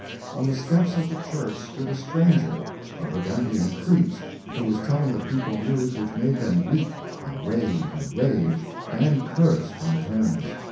On the steps of the church stood a stranger, a Burgundian priest, who was telling the people news which made them weep, and rave, and rage, and curse, by turns.